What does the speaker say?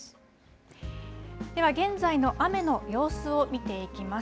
では現在の雨の様子を見ていきます。